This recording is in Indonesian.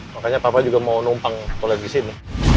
makanya papa juga mau numpang keluar di sini